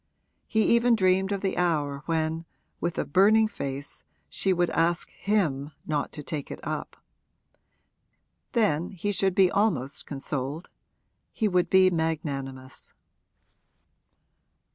He even dreamed of the hour when, with a burning face, she would ask him not to take it up. Then he should be almost consoled he would be magnanimous.